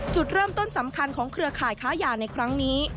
จุดเริ่มต้นสำคัญของเครือข่ายค้ายาในครั้งนี้